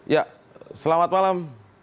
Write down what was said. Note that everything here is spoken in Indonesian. ya selamat malam